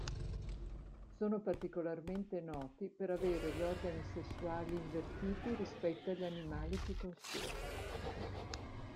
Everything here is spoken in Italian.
Sono particolarmente noti per avere gli organi sessuali invertiti rispetto agli animali più consueti.